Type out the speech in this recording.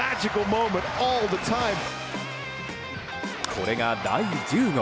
これが第１０号。